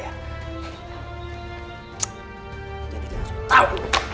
jadi langsung tau